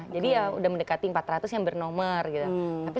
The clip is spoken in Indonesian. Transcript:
jadi ya udah mendekati empat ratus yang bernomor gitu